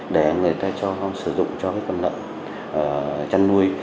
để người ta sử dụng cho con lợn chăn nuôi